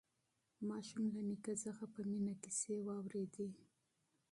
ماشوم له نیکه څخه په مینه کیسې واورېدې